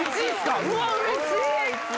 うわうれしい！